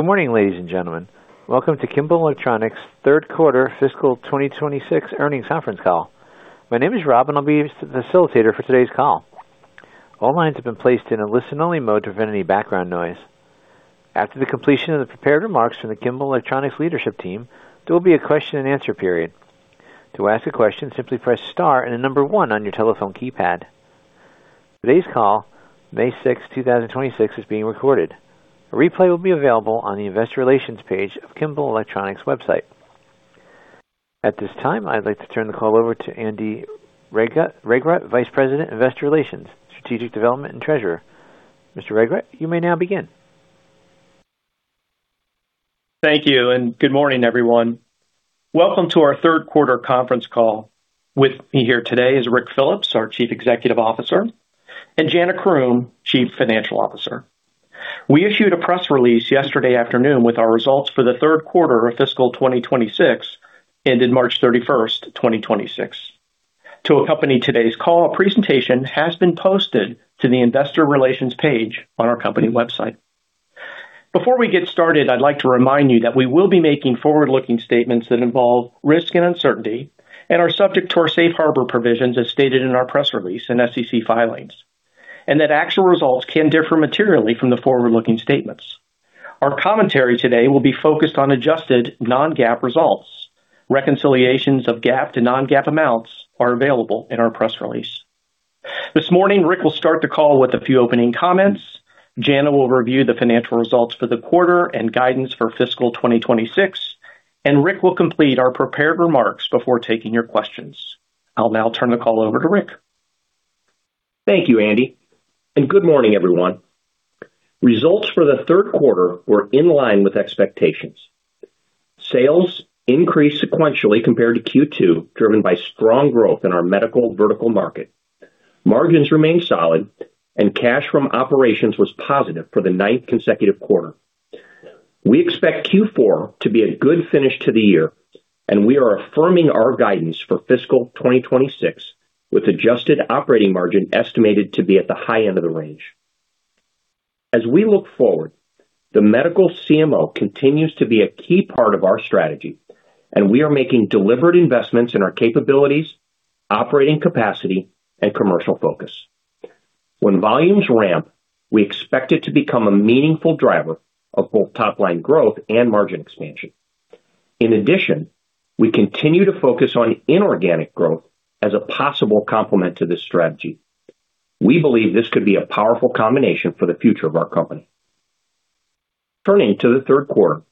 Good morning, ladies and gentlemen. Welcome to Kimball Electronics' third-quarter fiscal 2026 earnings conference call. My name is Rob, and I'll be your facilitator for today's call. All lines have been placed in a listen-only mode to prevent any background noise. After the completion of the prepared remarks from the Kimball Electronics leadership team, there will be a question-and-answer period. To ask a question, simply press star and number one on your telephone keypad. Today's call, May 6, 2026, is being recorded. A replay will be available on the investor relations page of Kimball Electronics' website. At this time, I'd like to turn the call over to Andy Regrut, Vice President, Investor Relations, Strategic Development, and Treasurer. Mr. Regrut, you may now begin. Thank you. Good morning, everyone. Welcome to our third-quarter conference call. With me here today is Ric Phillips, our Chief Executive Officer, and Jana Croom, Chief Financial Officer. We issued a press release yesterday afternoon with our results for the third quarter of FY 2026, ended March 31, 2026. To accompany today's call, a presentation has been posted to the investor relations page on our company website. Before we get started, I'd like to remind you that we will be making forward-looking statements that involve risk and uncertainty and are subject to our safe harbor provisions as stated in our press release and SEC filings, and that actual results can differ materially from the forward-looking statements. Our commentary today will be focused on adjusted non-GAAP results. Reconciliations of GAAP to non-GAAP amounts are available in our press release. This morning, Ric will start the call with a few opening comments. Jana will review the financial results for the quarter and guidance for fiscal 2026. Ric will complete our prepared remarks before taking your questions. I'll now turn the call over to Ric. Thank you, Andy, and good morning, everyone. Results for the third quarter were in line with expectations. Sales increased sequentially compared to Q2, driven by strong growth in our medical vertical market. Margins remained solid, and cash from operations was positive for the ninth consecutive quarter. We expect Q4 to be a good finish to the year, and we are affirming our guidance for fiscal 2026, with adjusted operating margin estimated to be at the high end of the range. As we look forward, the medical CMO continues to be a key part of our strategy, and we are making deliberate investments in our capabilities, operating capacity, and commercial focus. When volumes ramp, we expect it to become a meaningful driver of both top-line growth and margin expansion. In addition, we continue to focus on inorganic growth as a possible complement to this strategy. We believe this could be a powerful combination for the future of our company. Turning to the third quarter,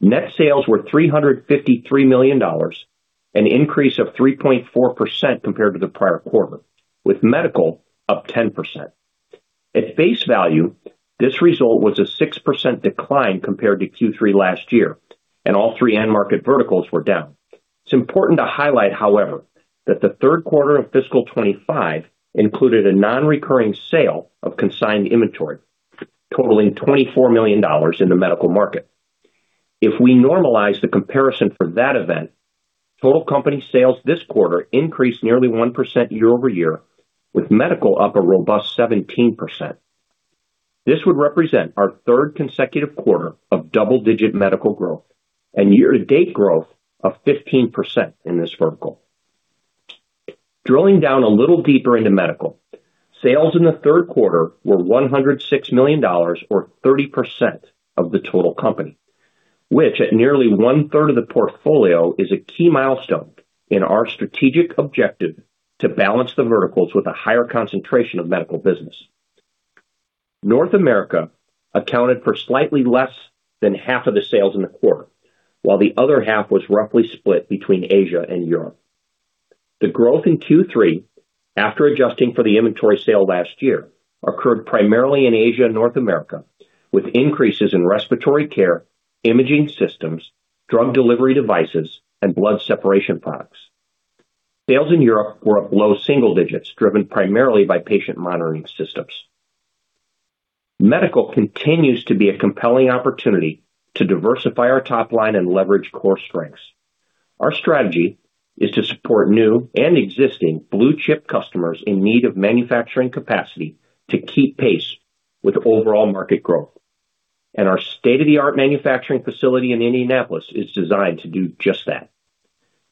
net sales were $353 million, an increase of 3.4% compared to the prior quarter, with medical up 10%. At face value, this result was a 6% decline compared to Q3 last year, and all three end-market verticals were down. It's important to highlight, however, that the third quarter of fiscal 2025 included a non-recurring sale of consigned inventory totaling $24 million in the medical market. If we normalize the comparison for that event, total company sales this quarter increased nearly 1% year-over-year, with medical up a robust 17%. This would represent our third consecutive quarter of double-digit medical growth and year-to-date growth of 15% in this vertical. Drilling down a little deeper into medical, sales in the third quarter were $106 million or 30% of the total company, which at nearly one-third of the portfolio, is a key milestone in our strategic objective to balance the verticals with a higher concentration of medical business. North America accounted for slightly less than half of the sales in the quarter, while the other half was roughly split between Asia and Europe. The growth in Q3, after adjusting for the inventory sale last year, occurred primarily in Asia and North America, with increases in respiratory care, imaging systems, drug delivery devices, and blood separation products. Sales in Europe were up low single digits, driven primarily by patient monitoring systems. Medical continues to be a compelling opportunity to diversify our top line and leverage core strengths. Our strategy is to support new and existing blue-chip customers in need of manufacturing capacity to keep pace with overall market growth. Our state-of-the-art manufacturing facility in Indianapolis is designed to do just that.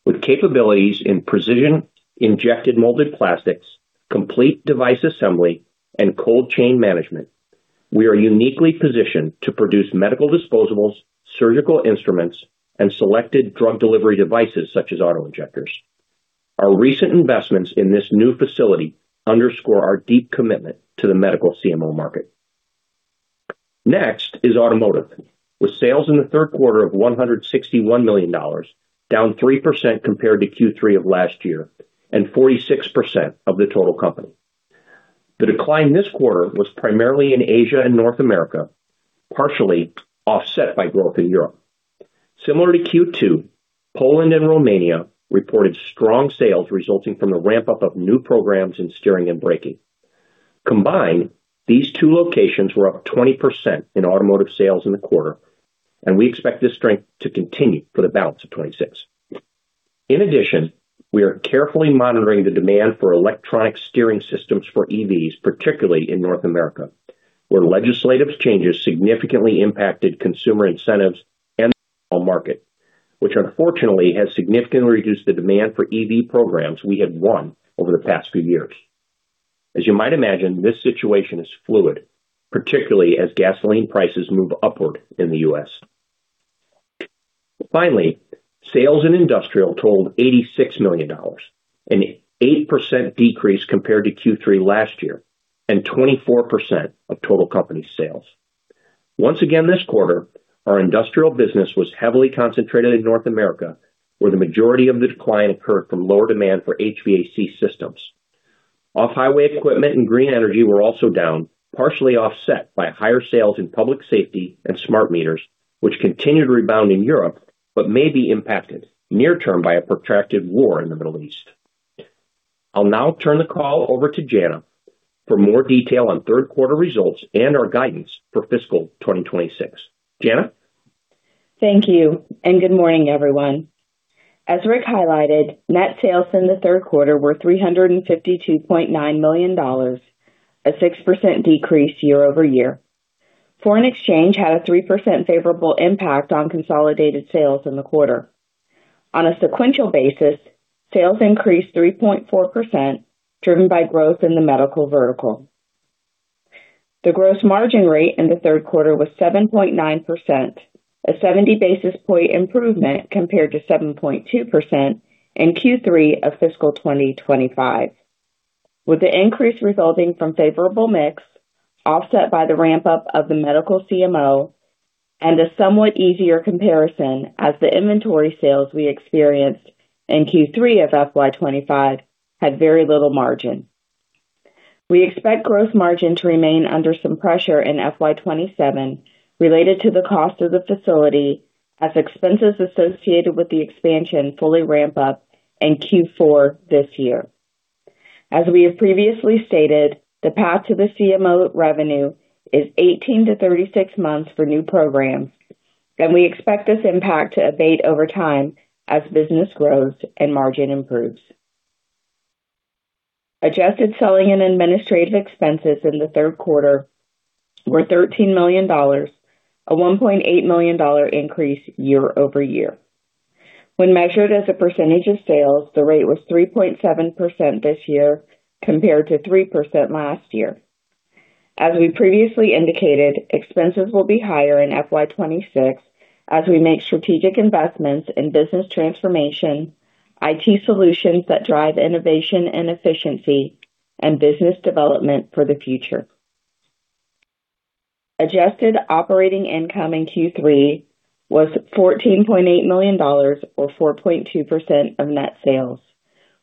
With capabilities in precision injection molded plastics, complete device assembly, and cold chain management, we are uniquely positioned to produce medical disposables, surgical instruments, and selected drug delivery devices such as auto-injectors. Our recent investments in this new facility underscore our deep commitment to the medical CMO market. Next is automotive, with sales in the third quarter of $161 million, down 3% compared to Q3 of last year and 46% of the total company. The decline this quarter was primarily in Asia and North America, partially offset by growth in Europe. Similar to Q2, Poland and Romania reported strong sales resulting from the ramp-up of new programs in steering and braking. Combined, these two locations were up 20% in automotive sales in the quarter. We expect this strength to continue for the balance of 2026. We are carefully monitoring the demand for electronic steering systems for EVs, particularly in North America, where legislative changes significantly impacted consumer incentives and the overall market, which, unfortunately, has significantly reduced the demand for EV programs we have won over the past few years. As you might imagine, this situation is fluid, particularly as gasoline prices move upward in the U.S. Finally, sales in industrial totaled $86 million, an 8% decrease compared to Q3 last year, and 24% of total company sales. Once again this quarter, our industrial business was heavily concentrated in North America, where the majority of the decline occurred from lower demand for HVAC systems. Off-highway equipment and green energy were also down, partially offset by higher sales in public safety and smart meters, which continue to rebound in Europe, but may be impacted near-term by a protracted war in the Middle East. I'll now turn the call over to Jana for more detail on third-quarter results and our guidance for fiscal 2026. Jana? Thank you and good morning, everyone. As Ric highlighted, net sales in the third quarter were $352.9 million, a 6% decrease year-over-year. Foreign exchange had a 3% favorable impact on consolidated sales in the quarter. On a sequential basis, sales increased 3.4%, driven by growth in the medical vertical. The gross margin rate in the third quarter was 7.9%, a 70 basis point improvement compared to 7.2% in Q3 of FY 2025, with the increase resulting from favorable mix offset by the ramp-up of the medical CMO and a somewhat easier comparison, as the inventory sales we experienced in Q3 of FY 2025 had very little margin. We expect gross margin to remain under some pressure in FY 2027, related to the cost of the facility, as expenses associated with the expansion fully ramp up in Q4 this year. As we have previously stated, the path to the CMO revenue is 18-36 months for new programs. We expect this impact to abate over time as business grows and margin improves. Adjusted selling and administrative expenses in the third quarter were $13 million, a $1.8 million increase year-over-year. When measured as a percentage of sales, the rate was 3.7% this year compared to 3% last year. As we previously indicated, expenses will be higher in FY 2026 as we make strategic investments in business transformation, IT solutions that drive innovation and efficiency, and business development for the future. Adjusted operating income in Q3 was $14.8 million or 4.2% of net sales,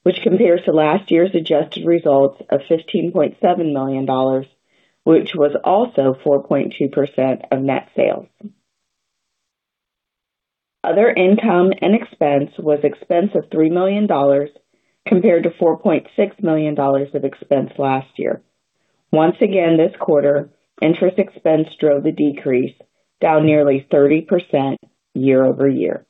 which compares to last year's adjusted results of $15.7 million, which was also 4.2% of net sales. Other income and expense was expense of $3 million compared to $4.6 million of expense last year. Once again, this quarter, interest expense drove the decrease, down nearly 30% year-over-year.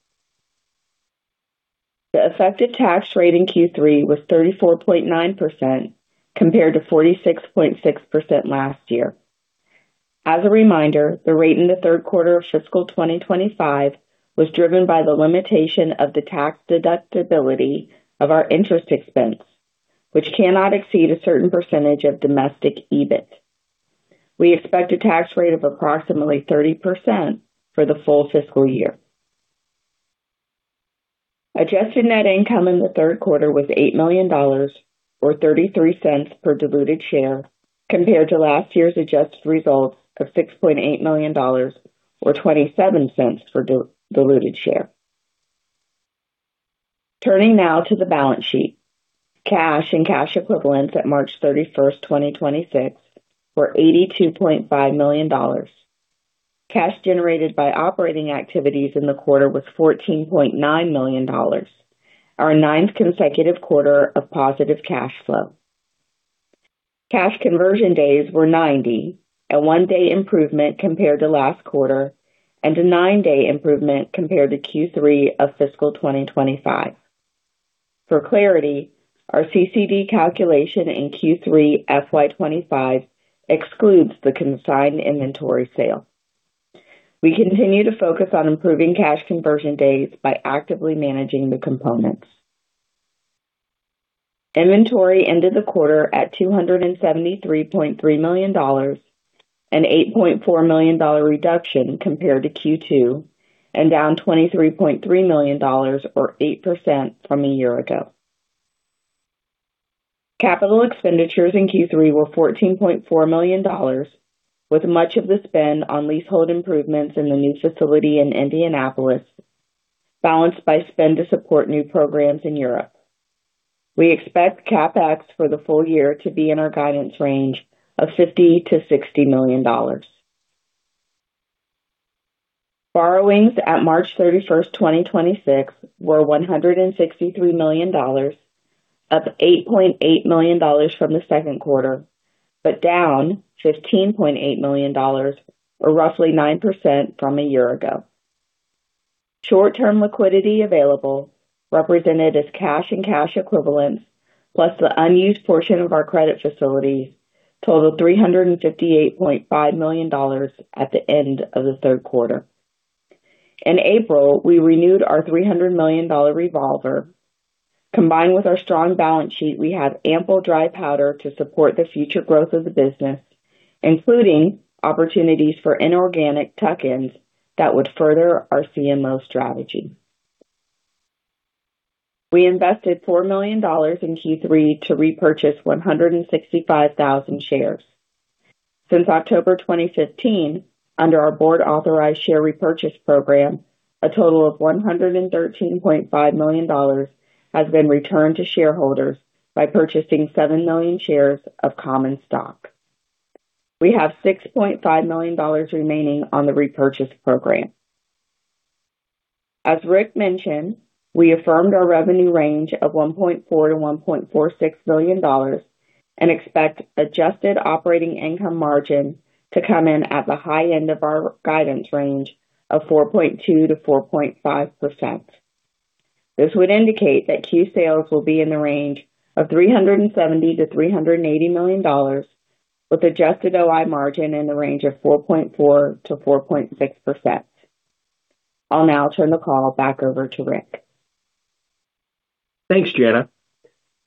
The effective tax rate in Q3 was 34.9% compared to 46.6% last year. As a reminder, the rate in the third quarter of fiscal 2025 was driven by the limitation of the tax deductibility of our interest expense, which cannot exceed a certain percentage of domestic EBIT. We expect a tax rate of approximately 30% for the full fiscal year. Adjusted net income in the third quarter was $8 million or $0.33 per diluted share, compared to last year's adjusted results of $6.8 million or $0.27 per diluted share. Turning now to the balance sheet. Cash and cash equivalents at March 31, 2026, were $82.5 million. Cash generated by operating activities in the quarter was $14.9 million, our ninth consecutive quarter of positive cash flow. Cash Conversion Days were 90, a one-day improvement compared to last quarter and a nine-day improvement compared to Q3 of fiscal 2025. For clarity, our CCD calculation in Q3 FY 2025 excludes the consigned inventory sale. We continue to focus on improving Cash Conversion Days by actively managing the components. Inventory ended the quarter at $273.3 million, an $8.4 million reduction compared to Q2 and down $23.3 million or 8% from a year ago. Capital expenditures in Q3 were $14.4 million, with much of the spend on leasehold improvements in the new facility in Indianapolis, balanced by spend to support new programs in Europe. We expect CapEx for the full year to be in our guidance range of $50 million-$60 million. Borrowings at March 31, 2026, were $163 million, up $8.8 million from the second quarter, but down $15.8 million, or roughly 9%, from a year ago. Short-term liquidity available represented as cash and cash equivalents, plus the unused portion of our credit facility, totaled $358.5 million at the end of the third quarter. In April, we renewed our $300 million revolver. Combined with our strong balance sheet, we have ample dry powder to support the future growth of the business, including opportunities for inorganic tuck-ins that would further our CMO strategy. We invested $4 million in Q3 to repurchase 165,000 shares. Since October 2015, under our board-authorized Share Repurchase Program, a total of $113.5 million has been returned to shareholders by purchasing 7 million shares of common stock. We have $6.5 million remaining on the Repurchase Program. As Ric mentioned, we affirmed our revenue range of $1.4 billion-$1.46 billion and expect adjusted operating income margin to come in at the high end of our guidance range of 4.2%-4.5%. This would indicate that Q sales will be in the range of $370 million-$380 million with adjusted OI margin in the range of 4.4%-4.6%. I'll now turn the call back over to Ric. Thanks, Jana.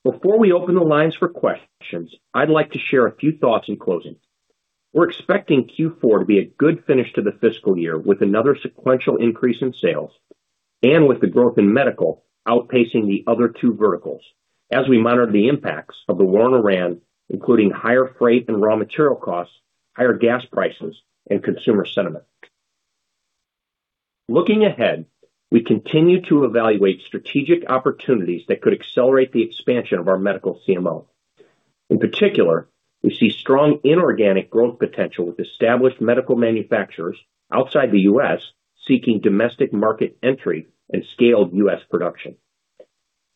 Before we open the lines for questions, I'd like to share a few thoughts in closing. We're expecting Q4 to be a good finish to the fiscal year with another sequential increase in sales and with the growth in medical outpacing the other two verticals as we monitor the impacts of the war on Iran, including higher freight and raw material costs, higher gas prices, and consumer sentiment. Looking ahead, we continue to evaluate strategic opportunities that could accelerate the expansion of our medical CMO. In particular, we see strong inorganic growth potential with established medical manufacturers outside the U.S. seeking domestic market entry and scaled U.S. production.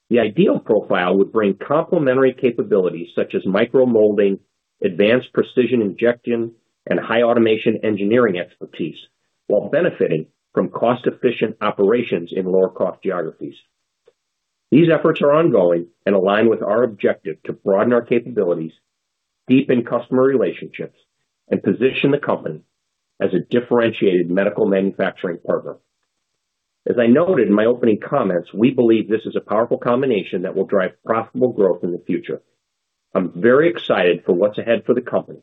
The ideal profile would bring complementary capabilities such as micro molding, advanced precision injection, and high automation engineering expertise, while benefiting from cost-efficient operations in lower-cost geographies. These efforts are ongoing and align with our objective to broaden our capabilities, deepen customer relationships, and position the company as a differentiated medical manufacturing partner. As I noted in my opening comments, we believe this is a powerful combination that will drive profitable growth in the future. I'm very excited for what's ahead for the company.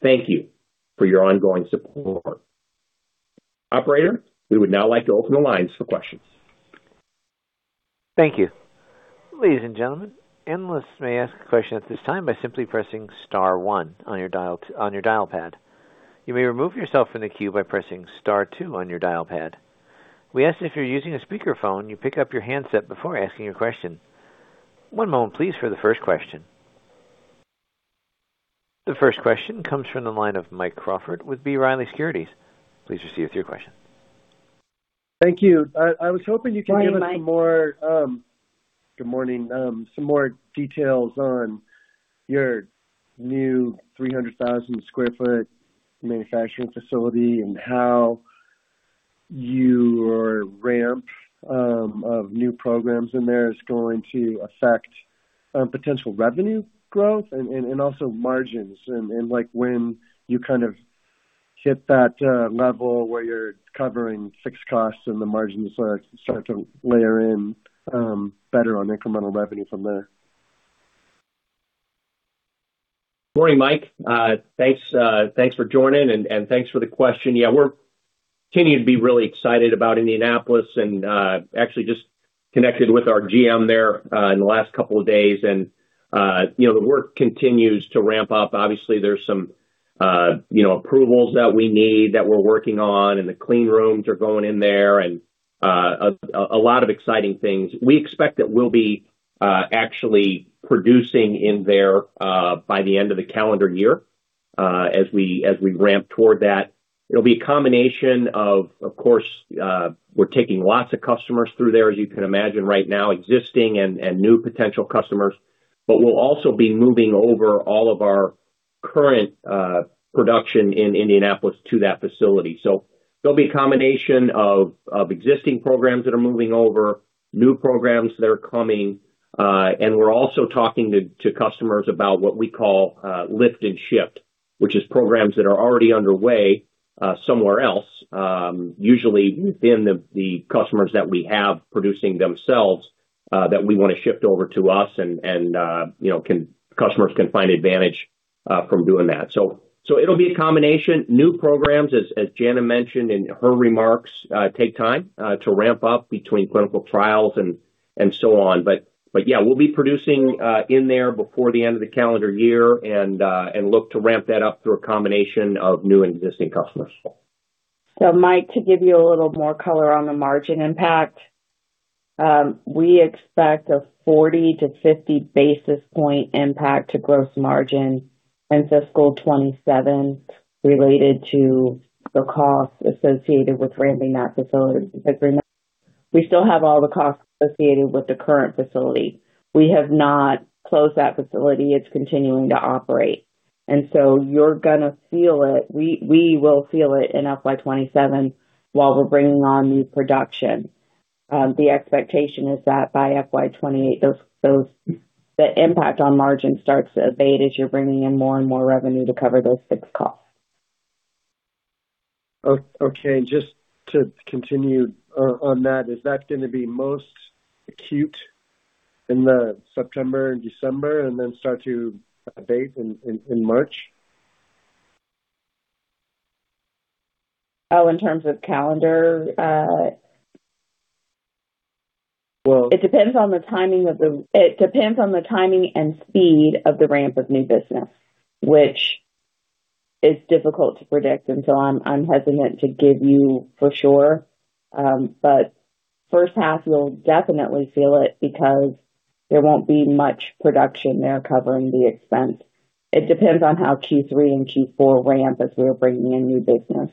Thank you for your ongoing support. Operator, we would now like to open the lines for questions. Thank you. Ladies and gentlemen, analysts may ask a question at this time by simply pressing star one on your dial pad. You may remove yourself from the queue by pressing star two on your dial pad. We ask if you're using a speakerphone, you pick up your handset before asking your question. One moment, please, for the first question. The first question comes from the line of Mike Crawford with B. Riley Securities. Please proceed with your question. Thank you. I was hoping you can give us some more. Go ahead, Mike. Good morning. Some more details on your new 300,000 sq ft manufacturing facility and how your ramp of new programs in there is going to affect potential revenue growth, and also margins and like when you kind of hit that level where you're covering fixed costs and the margins are starting to layer in better on incremental revenue from there. Morning, Mike. Thanks, thanks for joining and thanks for the question. We're continuing to be really excited about Indianapolis and actually just connected with our GM there in the last two days. You know, the work continues to ramp up. Obviously, there's some, you know, approvals that we need that we're working on, the clean rooms are going in there and a lot of exciting things. We expect that we'll be actually producing in there by the end of the calendar year. As we ramp toward that, it'll be a combination of course, we're taking lots of customers through there, as you can imagine right now, existing and new potential customers. We'll also be moving over all of our current production in Indianapolis to that facility. There'll be a combination of existing programs that are moving over, new programs that are coming, and we're also talking to customers about what we call lift and shift, which is programs that are already underway somewhere else, usually within the customers that we have producing themselves, that we wanna shift over to us, and, you know, customers can find advantage from doing that. It'll be a combination. New programs, as Jana mentioned in her remarks, take time to ramp up between clinical trials and so on. Yeah, we'll be producing in there before the end of the calendar year and look to ramp that up through a combination of new and existing customers. Mike, to give you a little more color on the margin impact, we expect a 40 to 50 basis point impact to gross margin and fiscal 2027 related to the cost associated with ramping that facility. Remember, we still have all the costs associated with the current facility. We have not closed that facility. It's continuing to operate. You're gonna feel it. We will feel it in FY 2027 while we're bringing on new production. The expectation is that by FY 2028, those, the impact on margin starts to abate as you're bringing in more and more revenue to cover those fixed costs. Okay. Just to continue on that, is that gonna be most acute in the September and December, and then start to abate in March? Oh, in terms of calendar? Well- It depends on the timing and speed of the ramp of new business, which is difficult to predict. I'm hesitant to give you for sure. First half, we'll definitely feel it because there won't be much production there covering the expense. It depends on how Q3 and Q4 ramp as we're bringing in new business.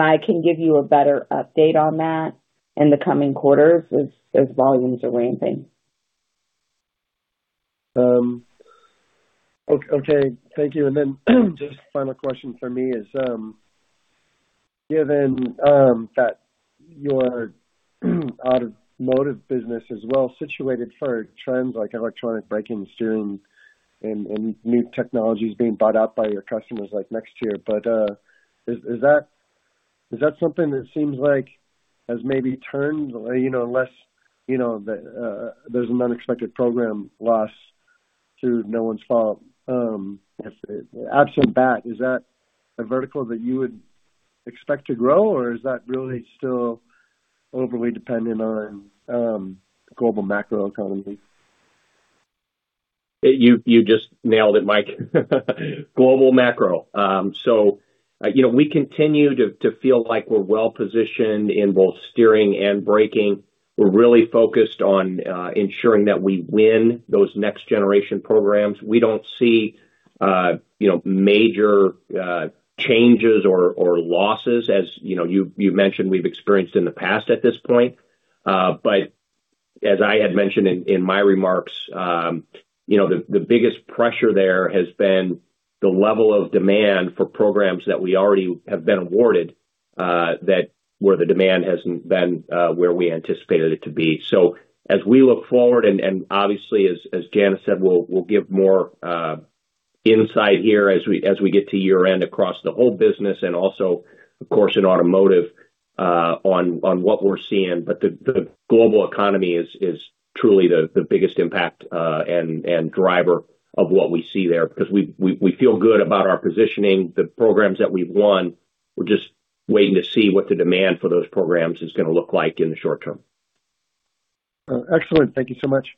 I can give you a better update on that in the coming quarters as volumes are ramping. Okay. Thank you. Then just final question from me is, given that your automotive business is well situated for trends like electronic braking, steering, and new technologies being bought out by your customers, like, next year, is that something that seems like has maybe turned, you know, unless, you know, there's an unexpected program loss through no one's fault? If absent that, is that a vertical that you would expect to grow or is that really still overly dependent on global macro economy? You just nailed it, Mike. Global macro. You know, we continue to feel like we're well-positioned in both steering and braking. We're really focused on ensuring that we win those next-generation programs. We don't see, you know, major changes or losses as, you know, you've mentioned we've experienced in the past at this point. As I had mentioned in my remarks, you know, the biggest pressure there has been the level of demand for programs that we already have been awarded that where the demand hasn't been where we anticipated it to be. As we look forward, and obviously, as Jana said, we'll give more insight here as we, as we get to year-end across the whole business and also, of course, in automotive, on what we're seeing. The global economy is truly the biggest impact and driver of what we see there. We feel good about our positioning, the programs that we've won. We're just waiting to see what the demand for those programs is gonna look like in the short term. Excellent. Thank you so much.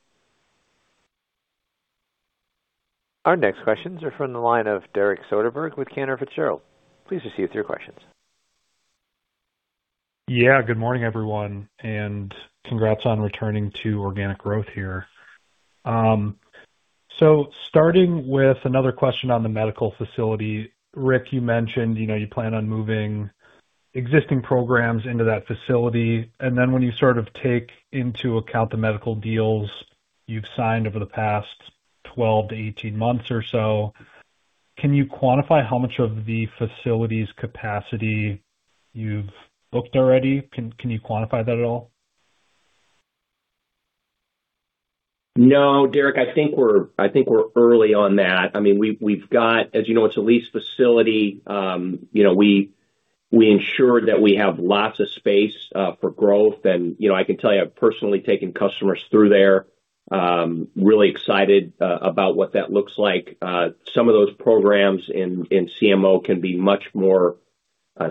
Our next questions are from the line of Derek Soderberg with Cantor Fitzgerald. Please proceed with your questions. Yeah, good morning, everyone, and congrats on returning to organic growth here. Starting with another question on the medical facility. Ric, you mentioned, you know, you plan on moving existing programs into that facility, then when you sort of take into account the medical deals you've signed over the past 12 to 18 months or so, can you quantify how much of the facility's capacity you've booked already? Can you quantify that at all? Derek, I think we're early on that. I mean, we've got, as you know, it's a leased facility. You know, we ensure that we have lots of space for growth and, you know, I can tell you I've personally taken customers through there. Really excited about what that looks like. Some of those programs in CMO can be much more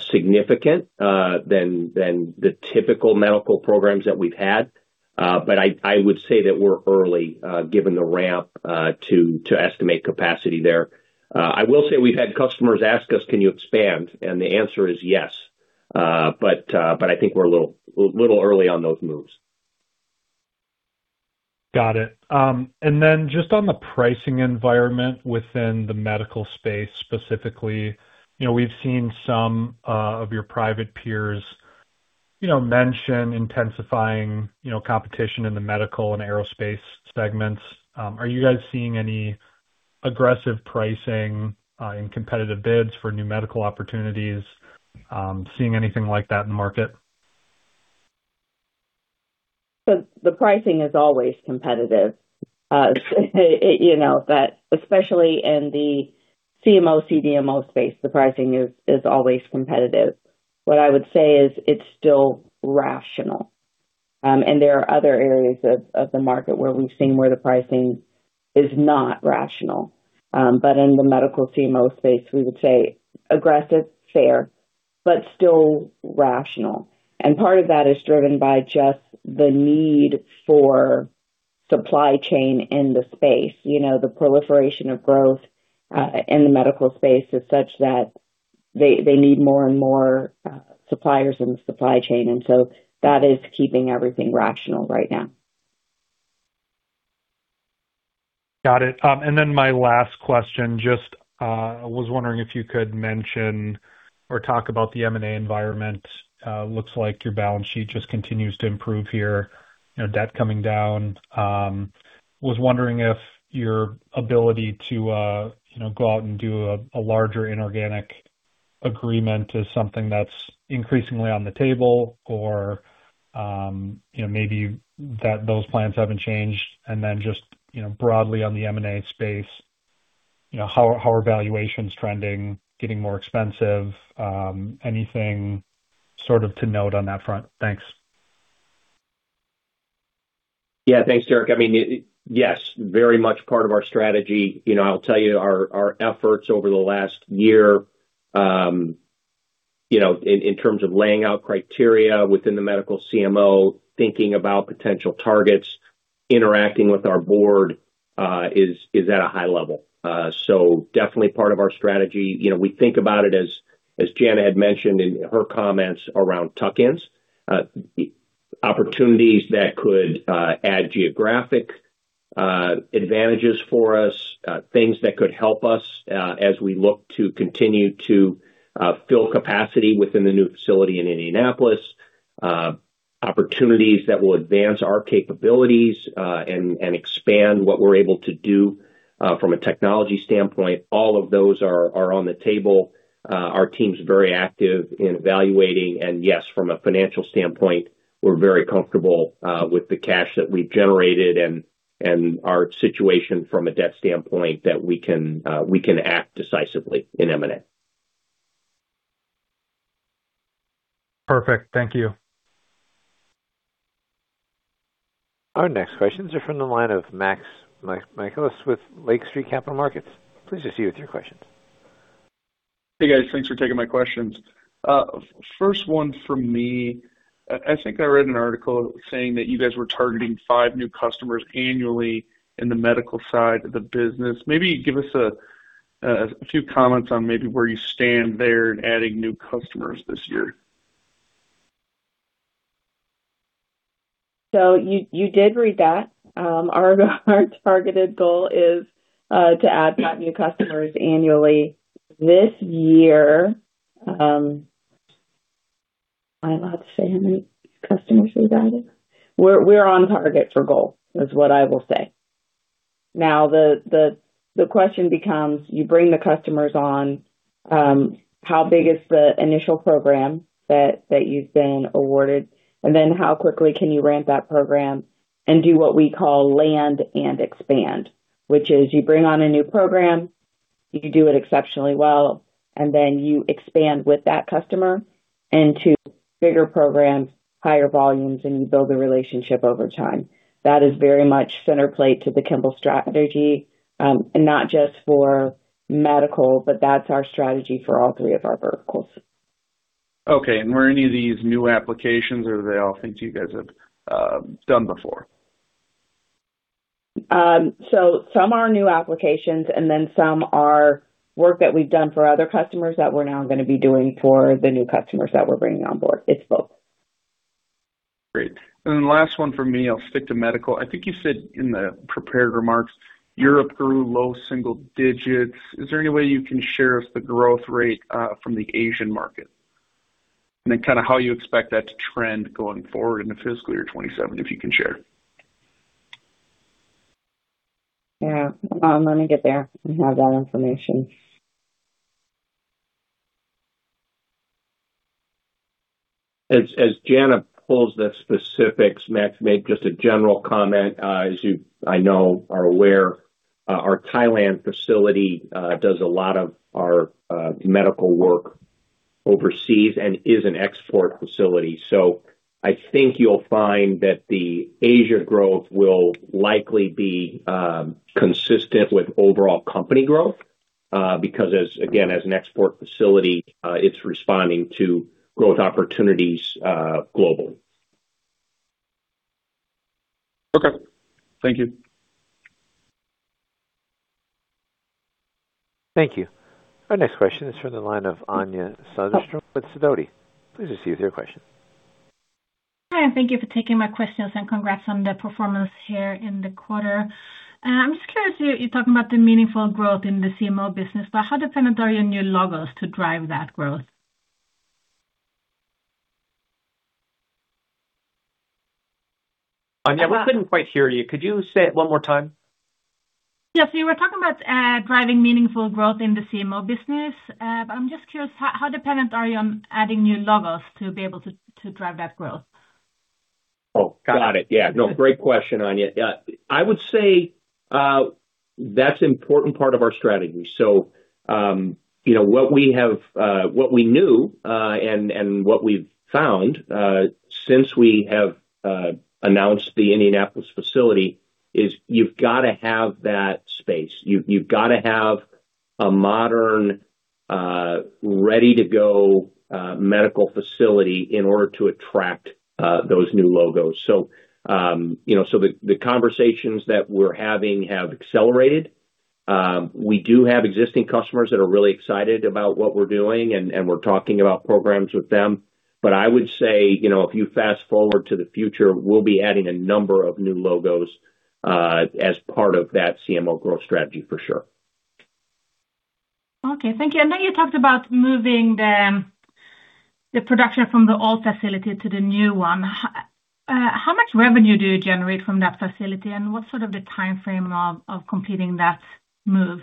significant than the typical medical programs that we've had. I would say that we're early given the ramp to estimate capacity there. I will say we've had customers ask us, "Can you expand?" The answer is yes. I think we're a little early on those moves. Got it. Then, just on the pricing environment within the medical space specifically. You know, we've seen some of your private peers, you know, mention intensifying, you know, competition in the medical and aerospace segments. Are you guys seeing any aggressive pricing in competitive bids for new medical opportunities? Seeing anything like that in the market? The pricing is always competitive. You know, that especially in the CMO/CDMO space, the pricing is always competitive. What I would say is it's still rational. There are other areas of the market where we've seen where the pricing is not rational. In the medical CMO space, we would say aggressive, fair, but still rational. Part of that is driven by just the need for supply chain in the space. You know, the proliferation of growth in the medical space is such that they need more and more suppliers in the supply chain. That is keeping everything rational right now. Got it. My last question, just, was wondering if you could mention or talk about the M&A environment. Looks like your balance sheet just continues to improve here. You know, debt coming down. Was wondering if your ability to, you know, go out and do a larger inorganic agreement is something that's increasingly on the table or, you know, maybe that those plans haven't changed. Just, you know, broadly on the M&A space, you know, how are valuations trending, getting more expensive? Anything sort of to note on that front? Thanks. Thanks, Derek. I mean, yes, very much part of our strategy. You know, I'll tell you our efforts over the last year, you know, in terms of laying out criteria within the medical CMO, thinking about potential targets, interacting with our board, is at a high level. Definitely part of our strategy. You know, we think about it as Jana had mentioned in her comments around tuck-ins. Opportunities that could add geographic advantages for us, things that could help us as we look to continue to fill capacity within the new facility in Indianapolis. Opportunities that will advance our capabilities and expand what we're able to do from a technology standpoint. All of those are on the table. Our team's very active in evaluating, and yes, from a financial standpoint, we're very comfortable with the cash that we've generated and our situation from a debt standpoint that we can act decisively in M&A. Perfect. Thank you. Our next questions are from the line of Max Michaelis with Lake Street Capital Markets. Please proceed with your questions. Hey, guys. Thanks for taking my questions. First one from me. I think I read an article saying that you guys were targeting five new customers annually in the medical side of the business. Maybe give us a few comments on maybe where you stand there in adding new customers this year. You did read that. Our targeted goal is to add five new customers annually this year. Am I allowed to say how many customers we've added? We're on target for goal is what I will say. The question becomes, you bring the customers on, how big is the initial program that you've been awarded? How quickly can you ramp that program and do what we call land and expand, which is you bring on a new program, you do it exceptionally well, and then you expand with that customer into bigger programs, higher volumes, and you build a relationship over time. That is very much center plate to the Kimball strategy. Not just for medical, but that's our strategy for all three of our verticals. Okay. Were any of these new applications or are they all things you guys have done before? Some are new applications, and then some are work that we've done for other customers that we're now gonna be doing for the new customers that we're bringing on board. It's both. Great. Last one from me. I'll stick to medical. I think you said in the prepared remarks, Europe grew low single digits. Is there any way you can share with us the growth rate from the Asian market? Kinda how you expect that to trend going forward into fiscal year 2027, if you can share. Yeah. Let me get there. I have that information. As Jana pulls the specifics, Max, maybe just a general comment. As you, I know, are aware, our Thailand facility does a lot of our medical work overseas and is an export facility. I think you'll find that the Asia growth will likely be consistent with overall company growth because as again, as an export facility, it's responding to growth opportunities globally. Okay. Thank you. Thank you. Our next question is from the line of Anja Soderstrom with Sidoti. Please proceed with your question. Hi. Thank you for taking my questions, and congrats on the performance here in the quarter. I'm just curious, you're talking about the meaningful growth in the CMO business, but how dependent are your new logos to drive that growth? Anja, we couldn't quite hear you. Could you say it one more time? Yes. You were talking about driving meaningful growth in the CMO business. I'm just curious, how dependent are you on adding new logos to be able to drive that growth? Got it. Great question, Anja. I would say that's an important part of our strategy. You know, what we have, what we knew, and what we've found since we have announced the Indianapolis facility is you've gotta have that space. You've gotta have a modern, ready-to-go medical facility in order to attract those new logos. You know, the conversations that we're having have accelerated. We do have existing customers that are really excited about what we're doing, and we're talking about programs with them. I would say, you know, if you fast-forward to the future, we'll be adding a number of new logos as part of that CMO growth strategy for sure. Okay. Thank you. You talked about moving the production from the old facility to the new one. How much revenue do you generate from that facility? What's sort of the timeframe of completing that move?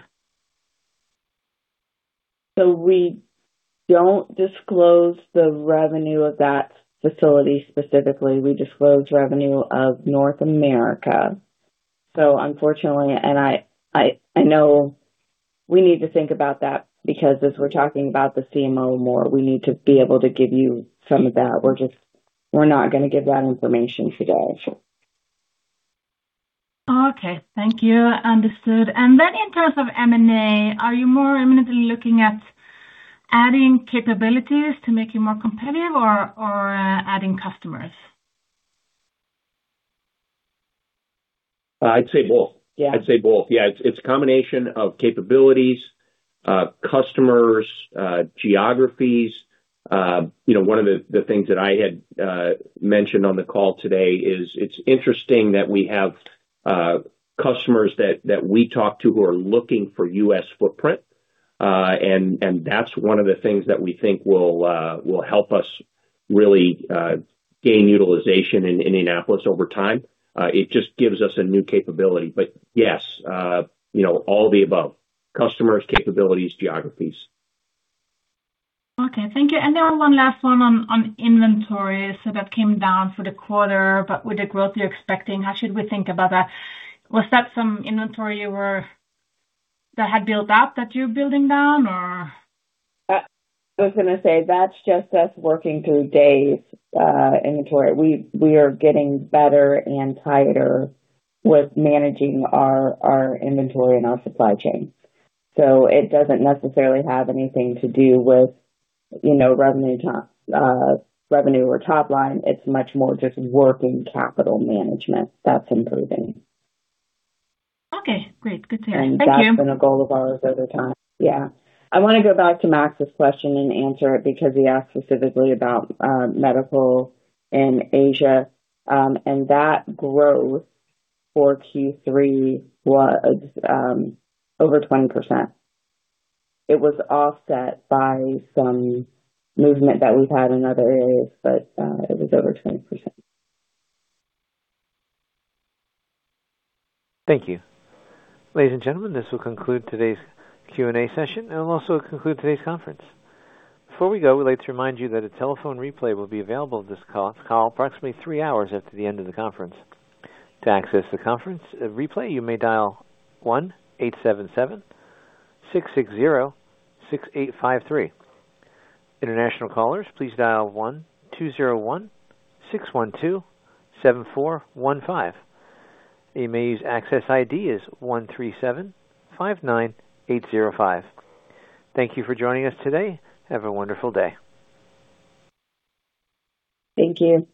We don't disclose the revenue of that facility specifically. We disclose revenue of North America. Unfortunately, I know we need to think about that because as we're talking about the CMO more, we need to be able to give you some of that. We're not gonna give that information today. Okay. Thank you. Understood. Then, in terms of M&A, are you more imminently looking at adding capabilities to make you more competitive or adding customers? I'd say both. I'd say both. Yeah. It's a combination of capabilities, customers, geographies. You know, one of the things that I had mentioned on the call today is it's interesting that we have customers that we talk to who are looking for U.S. footprint. That's one of the things that we think will help us really gain utilization in Indianapolis over time. It just gives us a new capability. Yes, you know, all of the above: customers, capabilities, geographies. Okay. Thank you. One last one on inventory. That came down for the quarter, but with the growth you're expecting, how should we think about that? Was that some inventory that had built up that you're building down, or? I was gonna say that's just us working through days' inventory. We are getting better and tighter with managing our inventory and our supply chain. It doesn't necessarily have anything to do with, you know, revenue or top line. It's much more just working capital management that's improving. Okay, great. Good to hear. Thank you. That's been a goal of ours over time. Yeah. I wanna go back to Max's question and answer it because he asked specifically about medical in Asia. That growth for Q3 was over 20%. It was offset by some movement that we've had in other areas; it was over 20%. Thank you. Ladies and gentlemen, this will conclude today's Q&A session, and it will also conclude today's conference. Before we go, we'd like to remind you that a telephone replay will be available of this call approximately three hours after the end of the conference. To access the conference replay, you may dial 1-877-660-6853. International callers, please dial 1-201-612-7415. You may use access ID as 13759805. Thank you for joining us today. Have a wonderful day. Thank you.